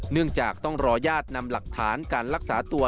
เนื่องจากต้องรอญาตินำหลักฐานการรักษาตัว